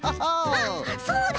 あっそうだ！